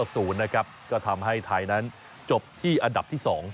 ส่วนต่อ๐ก็ถัมให้ถ่ายนั้นจบที่อดับที่สอง